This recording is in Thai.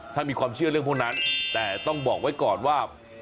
ถ้ามีความเชื่อเรื่องพวกนั้นแต่ต้องบอกไว้ก่อนว่า